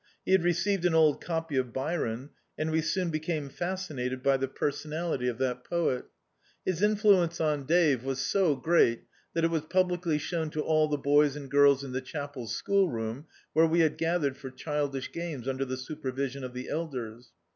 He had received an old copy of Byron, and we both became fascinated by die personality of that poet. His influence on Dave [Hi D,i.,.db, Google Youth was so great that it was publicly shown to all the boys and girls in the chapel's schoolroom, where we bad gathered for childish games, under the super vision of the elders.